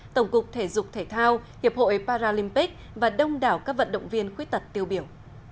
tổng cục thể dục thể thao hiệp hội paralympic và đông đảo các vận động viên khuyết tật tiêu biểu